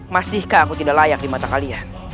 masihkah aku tidak layak di mata kalian